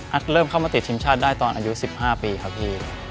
เริ่มเข้ามาติดทีมชาติได้ตอนอายุ๑๕ปีครับพี่